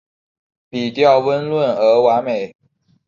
笔调温润而完美